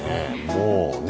もうね